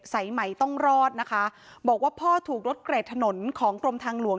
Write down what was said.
สายใหม่ต้องรอดนะคะบอกว่าพ่อถูกรถเกรดถนนของกรมทางหลวง